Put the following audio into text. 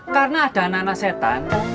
karena ada anak anak setan